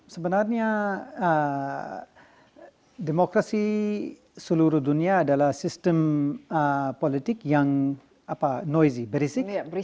sebenarnya demokrasi seluruh dunia adalah sistem politik yang noise berisik